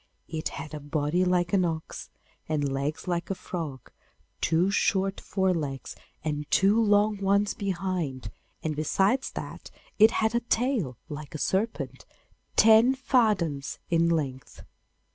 It had a body like an ox, and legs like a frog, two short fore legs, and two long ones behind, and besides that it had a tail like a serpent, ten fathoms in length.